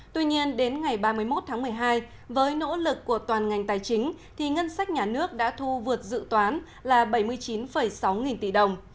tuy nhiên đến ngày ba mươi một tháng một mươi hai với nỗ lực của toàn ngành tài chính thì ngân sách nhà nước đã thu vượt dự toán là bảy mươi chín sáu nghìn tỷ đồng